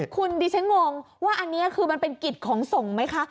คุณดิฉันงงว่าอันนี้คือมันเป็นกิจของส่งไหมคะ